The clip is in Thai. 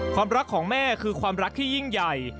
ความรักของแม่คือความรักที่ยิ่งใหญ่